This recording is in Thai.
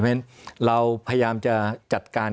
เพราะฉะนั้นเราพยายามจะจัดการ